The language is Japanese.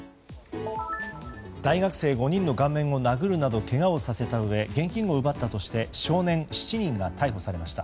大学生５人の顔面を殴るなどけがをさせたうえ現金を奪ったとして少年７人が逮捕されました。